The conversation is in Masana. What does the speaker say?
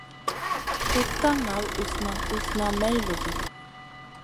Kuɗ ka ŋal usna usna may lodi.